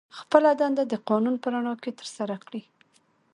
خپله دنده د قانون په رڼا کې ترسره کړي.